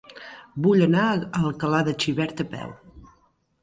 Vull anar a Alcalà de Xivert a peu.